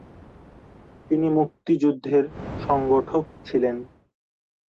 তিনি মুক্তিযুদ্ধের সংগঠক ছিলেন।